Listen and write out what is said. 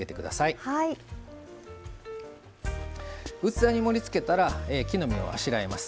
器に盛りつけたら木の芽をあしらいます。